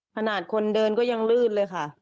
ขนาดคนเดินก็ยังลื่นเลยค่ะ